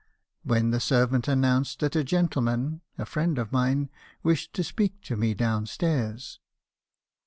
* when the servant announced that a gentleman, a friend of mine, wished to speak to me down stairs.